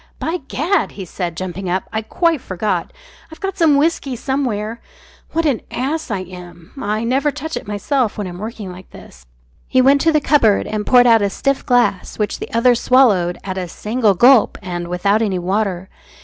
"By Gad!" he said, jumping up, "I quite forgot. I've got some whisky somewhere. What an ass I am. I never touch it myself when I'm working like this." He went to the cupboard and poured out a stiff glass which the other swallowed at a single gulp and without any water.